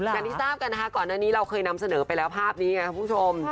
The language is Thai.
อย่างที่ทราบกันนะคะก่อนหน้านี้เราเคยนำเสนอไปแล้วภาพนี้ไงคุณผู้ชม